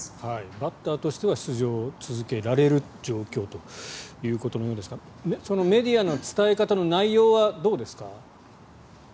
バッターとしては出場を続けられる状況ということのようですがそのメディアの伝え方の内容はどうですか？